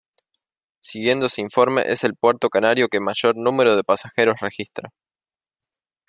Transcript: Siguiendo ese informe es el puerto canario que mayor número de pasajeros registra.